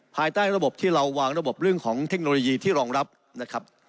ภายใต้ระบบที่เราวางระบบเรื่องของเทคโนโลยีที่รองรับนะครับ